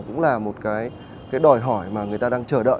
cũng là một cái đòi hỏi mà người ta đang chờ đợi